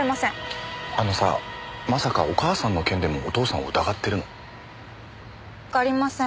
あのさまさかお母さんの件でもお父さんを疑ってるの？わかりません。